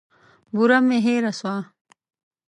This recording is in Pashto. بوره مي هېره سوه .